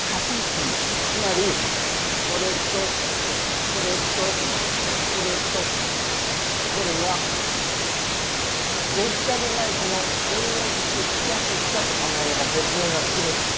つまりこれとこれとこれとこれはデジタル舞子の営業先で付着したと考えれば説明がつくね。